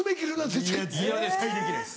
絶対できないです。